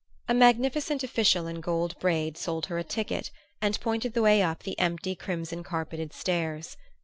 A magnificent official in gold braid sold her a ticket and pointed the way up the empty crimson carpeted stairs.